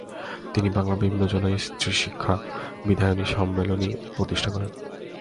তিনি বাংলার বিভিন্ন জেলায় স্ত্রীশিক্ষা বিধায়নী সম্মেলনী প্রতিষ্ঠা করেন।